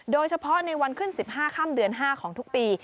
โดยเฉพาะในวันขึ้น๑๕ค่ำเดือน๕ของทุกปี